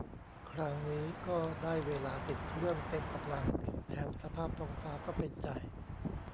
คราวนี้ก็ได้เวลาติดเครื่องเต็มกำลัง แถมสภาพท้องฟ้าก็เป็นใจ